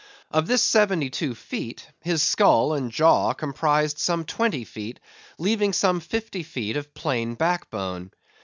Of this seventy two feet, his skull and jaw comprised some twenty feet, leaving some fifty feet of plain back bone.